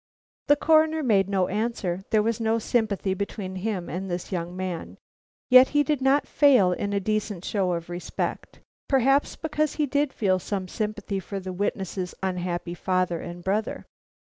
The Coroner made no answer. There was no sympathy between him and this young man. Yet he did not fail in a decent show of respect; perhaps because he did feel some sympathy for the witness's unhappy father and brother.